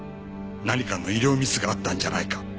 何かの医療ミスがあったんじゃないか？